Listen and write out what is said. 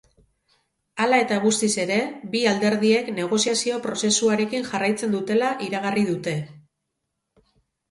Hala eta guztiz ere, bi alderdiek negoziazio prozesuarekin jarraitzen dutela iragarri dute.